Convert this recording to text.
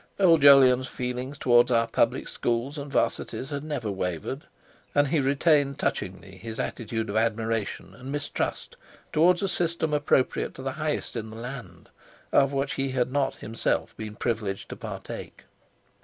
Old Jolyon's feeling towards our public schools and 'Varsities never wavered, and he retained touchingly his attitude of admiration and mistrust towards a system appropriate to the highest in the land, of which he had not himself been privileged to partake....